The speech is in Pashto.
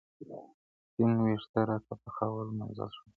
سپین وېښته راته پخوا منزل ښودلی